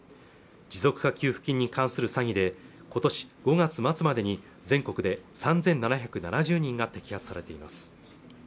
持続化給付金に関する詐欺で今年５月末までに全国で３７７０人が摘発されています